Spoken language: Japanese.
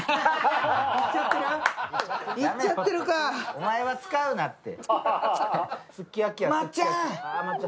お前は使うなって。